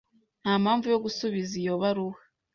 Nta mpamvu yo gusubiza iyo baruwa.